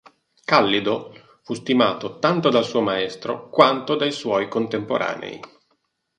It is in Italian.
Callido fu stimato tanto dal suo maestro quanto dai suoi contemporanei.